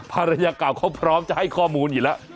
ภรรยาเก่าเขาพร้อมจะให้ข้อมูลอยู่แล้ว